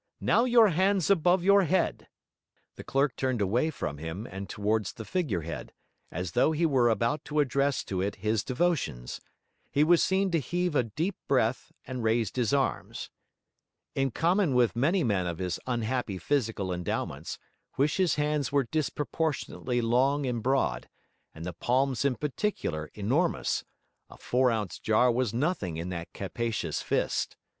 'Now your hands above your head.' The clerk turned away from him and towards the figure head, as though he were about to address to it his devotions; he was seen to heave a deep breath; and raised his arms. In common with many men of his unhappy physical endowments, Huish's hands were disproportionately long and broad, and the palms in particular enormous; a four ounce jar was nothing in that capacious fist.